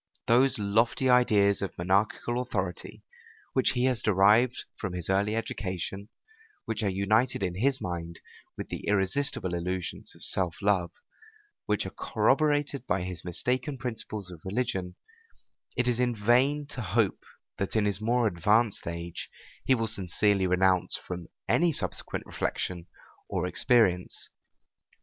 Those lofty ideas of monarchical authority, which he has derived from his early education, which are united in his mind with the irresistible illusions of self love, which are corroborated by his mistaken principles of religion, it is in vain to hope that, in his more advanced age, he will sincerely renounce from any subsequent reflection or experience.